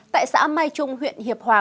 tại xã mai trung huyện hiệp hòa